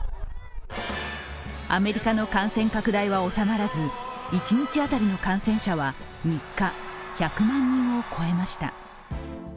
アメリカの感染拡大は収まらず一日当たりの感染者は３日、１００万人を超えました。